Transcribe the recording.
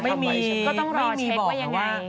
ก็ต้องรอเช็คว่ายังไง